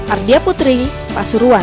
ardia putri pasuruan